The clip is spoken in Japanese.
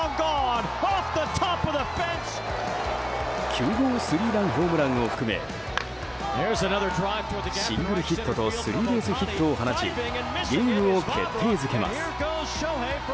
９号スリーランホームランを含めシングルヒットとスリーベースヒットを放ちゲームを決定づけます。